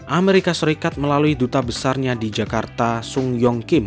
amerika serikat melalui duta besarnya di jakarta sung yong kim